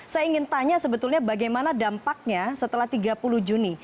saya ingin tanya sebetulnya bagaimana dampaknya setelah tiga puluh juni